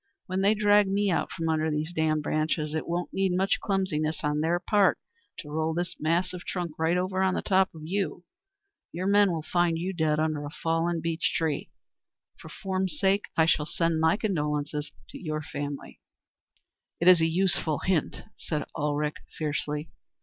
When they drag me out from under these damned branches it won't need much clumsiness on their part to roll this mass of trunk right over on the top of you. Your men will find you dead under a fallen beech tree. For form's sake I shall send my condolences to your family." "It is a useful hint," said Ulrich fiercely.